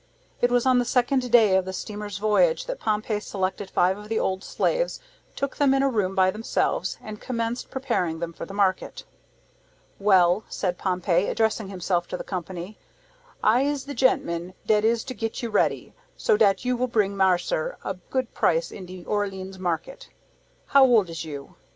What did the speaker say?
It was on the second day of the steamer's voyage that Pompey selected five of the old slaves, took them in a room by themselves, and commenced preparing them for the market. "Well," said Pompey, addressing himself to the company, "I is de gentman dat is to get you ready, so dat you will bring marser a good price in de Orleans market. How old is you?"